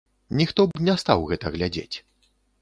Ніхто б не стаў гэта глядзець.